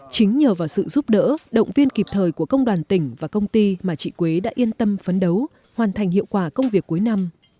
chính nhờ vào sự giúp đỡ động viên kịp thời của công đoàn tỉnh và công ty mà chị quế đã yên tâm phấn đấu hoàn thành hiệu quả công việc cuối năm